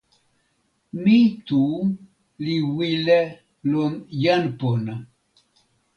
mi tu li wile lon jan pona.